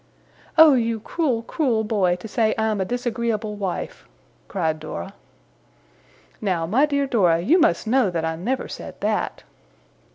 'Oh, you cruel, cruel boy, to say I am a disagreeable wife!' cried Dora. 'Now, my dear Dora, you must know that I never said that!